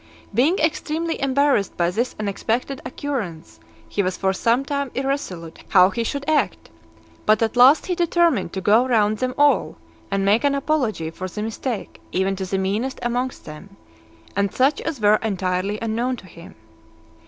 Being extremely embarrassed by this unexpected occurrence, he was for some time irresolute how he should act; but at last he determined to go round them all, and make an apology for the mistake even to the meanest amongst them, and such as were entirely unknown to him.